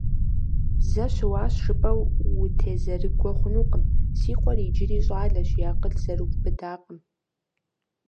Зэ щыуащ жыпӀэу утезэрыгуэ хъунукъым, си къуэр иджыри щӀалэщ, и акъыл зэрыубыдакъым.